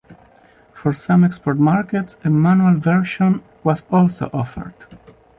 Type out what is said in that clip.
For some export markets, a manual version was also offered.